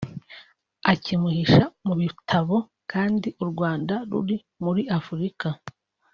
akimuhisha mu bitabo kandi u Rwanda ruri muri Afurika